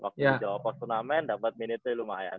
waktu jawab pos turnamen dapet minute play lumayan